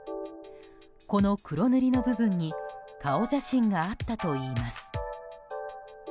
この黒塗りの部分に顔写真があったといいます。